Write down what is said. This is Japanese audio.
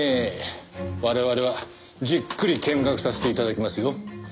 我々はじっくり見学させて頂きますよ。